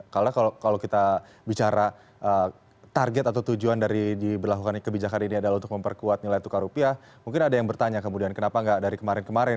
karena kalau kita bicara target atau tujuan dari berlakukan kebijakan ini adalah untuk memperkuat nilai tukar rupiah mungkin ada yang bertanya kemudian kenapa nggak dari kemarin kemarin